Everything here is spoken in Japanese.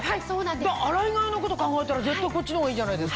洗い替えのこと考えたら絶対こっちのほうがいいじゃないですか。